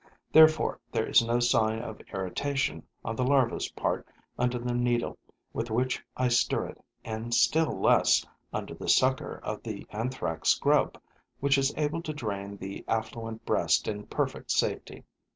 Therefore there is no sign of irritation on the larva's part under the needle with which I stir it and still less under the sucker of the Anthrax grub, which is able to drain the affluent breast in perfect safety.